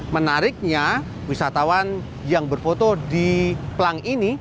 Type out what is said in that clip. menariknya wisatawan yang berfoto di pelang ini